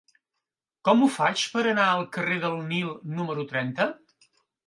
Com ho faig per anar al carrer del Nil número trenta?